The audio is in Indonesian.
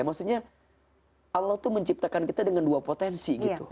maksudnya allah itu menciptakan kita dengan dua potensi